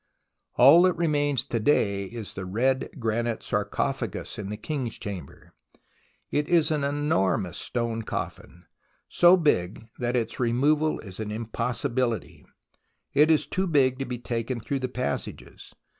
All that remains to day is the red granite sarco phagus in the King's Chamber. It is an enormous stone coffin, so big that its removal is an impossi 5 5Mja«t. 66 THE ROMANCE OF EXCAVATION bility. It is too big to be taken through the passages